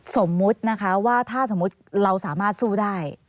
สมมุตินะคะว่าถ้าสมมุติเราสามารถสู้ได้